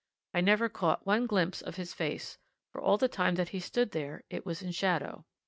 I never caught one glimpse of his face, for all the time that he stood there it was in shadow.